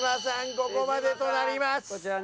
ここまでとなります。